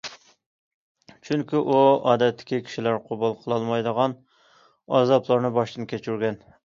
چۈنكى ئۇ ئادەتتىكى كىشىلەر قوبۇل قىلالمايدىغان ئازابلارنى باشتىن كەچۈرگەن.